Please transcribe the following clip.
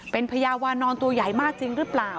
เป็นพญาวานอนตัวใหญ่มากจริงหรือเปล่า